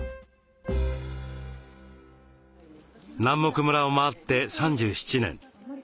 南牧村を回って３７年。